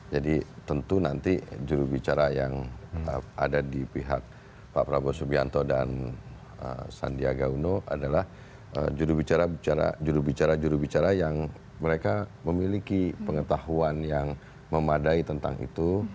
jadi tentu nanti jurubicara yang ada di pihak pak prabowo subianto dan sandiaga uno adalah jurubicara jurubicara yang mereka memiliki pengetahuan yang memadai tentang itu